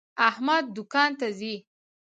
احمد دوکان ته ځي.